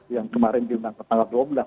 yang kemarin diundang ke tanggal dua belas